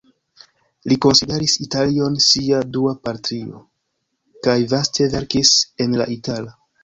Li konsideris Italion sia dua patrio kaj vaste verkis en la itala.